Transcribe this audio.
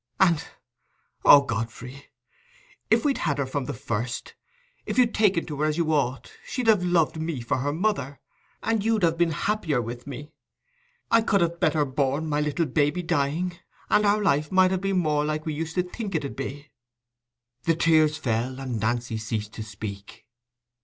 "And—Oh, Godfrey—if we'd had her from the first, if you'd taken to her as you ought, she'd have loved me for her mother—and you'd have been happier with me: I could better have bore my little baby dying, and our life might have been more like what we used to think it 'ud be." The tears fell, and Nancy ceased to speak.